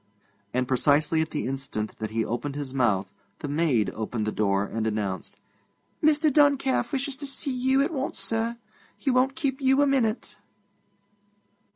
And precisely at the instant that he opened his mouth, the maid opened the door and announced: 'Mr. Duncalf wishes to see you at once, sir. He won't keep you a minute.'